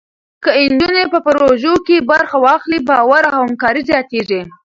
که نجونې په پروژو کې برخه واخلي، باور او همکاري زیاتېږي.